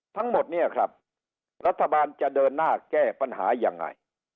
ทั้งหมดเนี่ยครับรัฐบาลจะเดินหน้าแก้ปัญหายังไง